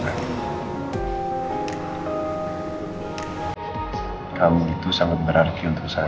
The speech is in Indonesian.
kamu itu sangat berarti untuk saya